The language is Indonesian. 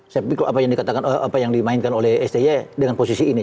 saya pikir apa yang dimainkan oleh stj dengan posisi ini